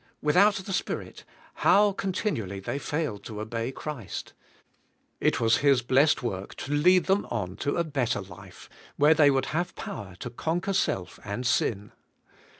Without the Spirit, how continually they failed to obey Christ! It was His blessed work to lead them on to a better life, where they would have power to conquer self and sin.